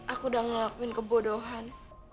aku udah ngelakuin kebodohan